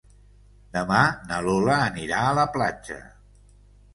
Demà na Lola anirà a la platja.